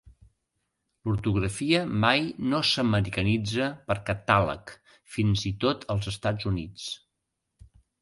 L'ortografia mai no s'americanitza per "catàleg", fins i tot als Estats Units.